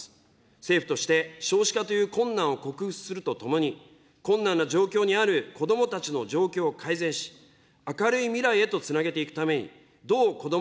政府として少子化という困難を克服するとともに、困難な状況にある子どもたちの状況を改善し、明るい未来へとつなげていくために、どう、こども